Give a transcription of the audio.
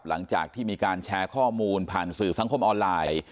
หลังจากที่มีการแชร์ข้อมูลผ่านสื่อสังคมออนไลน์